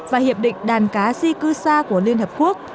và hiệp định đàn cá di cư xa của liên hợp quốc